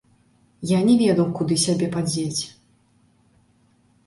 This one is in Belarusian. Я не ведаў, куды сябе падзець.